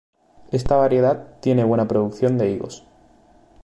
Esta variedad tiene buena producción de higos.